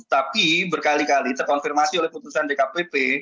tapi berkali kali terkonfirmasi oleh putusan dkpp